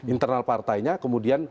internal partainya kemudian